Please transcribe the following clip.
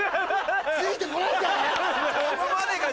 ついてこないで！